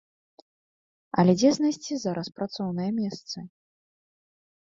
Але дзе знайсці зараз працоўныя месцы?